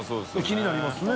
気になりますね。